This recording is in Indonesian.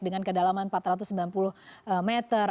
dengan kedalaman empat ratus sembilan puluh meter